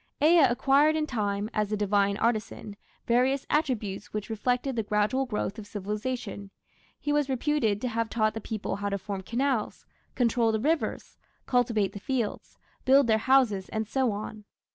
Ea acquired in time, as the divine artisan, various attributes which reflected the gradual growth of civilization: he was reputed to have taught the people how to form canals, control the rivers, cultivate the fields, build their houses, and so on.